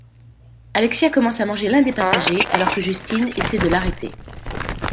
Alexia commence à manger l'un des passagers, alors que Justine essaie de l'arrêter.